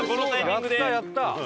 やったやった！